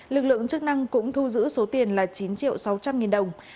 lực lượng chức năng cũng thu giữ số tiền là chín triệu sáu trăm linh nghìn đồng